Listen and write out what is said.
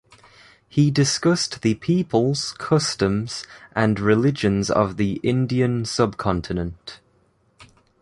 He discussed the peoples, customs, and religions of the Indian subcontinent.